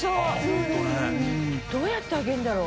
榲筿諭どうやって揚げるんだろう？